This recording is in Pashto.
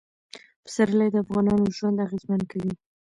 پسرلی د افغانانو ژوند اغېزمن کوي.